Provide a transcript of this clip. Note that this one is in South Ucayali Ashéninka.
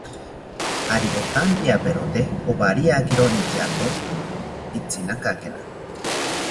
Ari otampiaperote owariakiro intyato itzinakakena